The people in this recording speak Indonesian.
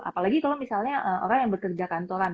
apalagi kalau misalnya orang yang bekerja kantoran